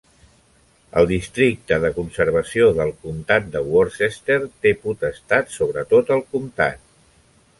El districte de conservació del comtat de Worcester té potestat sobre tot el comtat.